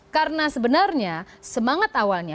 karena sebenarnya semangat awalnya